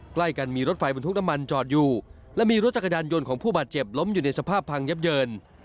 ใกล้กันมีรถไฟบรรทุกน้ำมันจอดอยู่และมีรถจักรยานยนต์ของผู้บาดเจ็บล้มอยู่ในสภาพพังยับเยิน